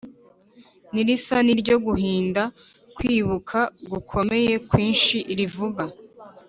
n’irisa n’iryo guhinda kw’inkuba gukomeye kwinshi rivuga